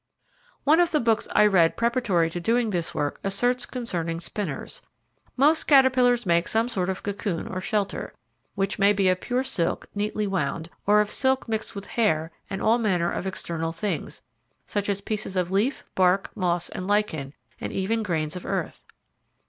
One of the books I read preparatory to doing this work asserts concerning spinners: "Most caterpillars make some sort of cocoon or shelter, which may be of pure silk neatly wound, or of silk mixed with hair and all manner of external things such as pieces of leaf, bark, moss, and lichen, and even grains of earth."